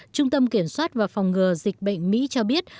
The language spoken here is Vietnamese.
trung tâm kiểm soát và phòng ngừa dịch bệnh mỹ cho biết